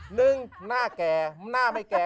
หนึ่งหน้าแก่หน้าไม่แก่